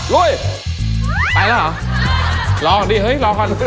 รอก่อนดีเฮ้ยรอก่อน